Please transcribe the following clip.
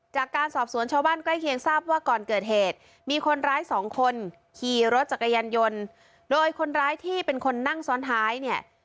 จากการสอบสวนชาวบ้านใกล้เคียงทราบว่าก่อนเกิดเหตุมีคนร้ายสองคนขี่รถจักรยานยนต์โดยคนร้ายที่เป็นคนนั่งซ้อนท้ายเนี่ย